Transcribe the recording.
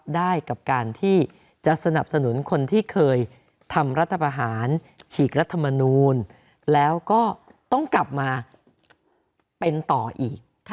ได้กับการที่จะสนับสนุนคนที่เคยทำรัฐประหารฉีกรัฐมนูลแล้วก็ต้องกลับมาเป็นต่ออีก